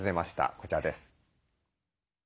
こちらです。